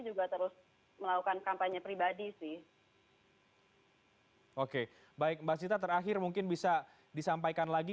juga terus melakukan kampanye pribadi sih oke baik mbak sita terakhir mungkin bisa disampaikan lagi